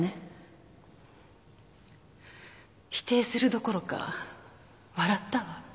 否定するどころか笑ったわ。